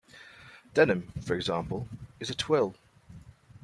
Denim, for example, is a twill.